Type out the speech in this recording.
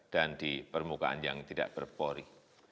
dan di permukaan yang tidak berpori